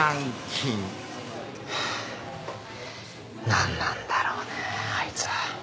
なんなんだろうねあいつは。